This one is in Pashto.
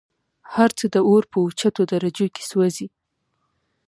هرڅه د اور په اوچتو درجو كي سوزي